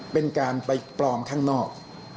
เป็นการไปปลอมข้างนอก